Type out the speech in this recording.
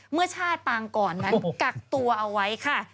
เมื่อชาติปางก่อนนั้นกักตัวเอาไว้ค่ะ